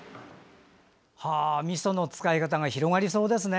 みその使い方が広がりそうですね。